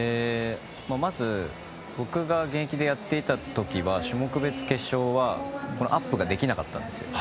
まず、僕が現役でやっていた時は種目別決勝はアップができなかったんです。